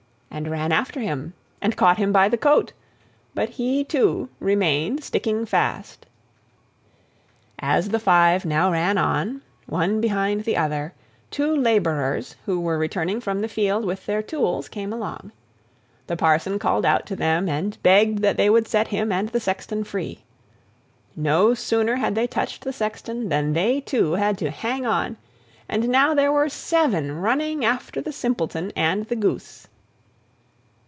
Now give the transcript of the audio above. and ran after him, and caught him by the coat, but he too remained sticking fast. As the five now ran on, one behind the other, two labourers who were returning from the field with their tools, came along. The parson called out to them and begged that they would set him and the sexton free. No sooner had they touched the sexton, than they too had to hang on, and now there were seven running after the Simpleton and the goose.